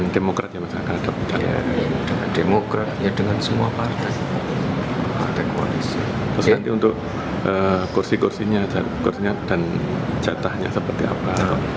terus nanti untuk kursi kursinya dan catahnya seperti apa